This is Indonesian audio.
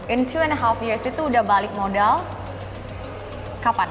in two and a half years itu udah balik modal kapan